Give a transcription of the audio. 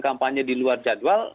kampanye di luar jadwal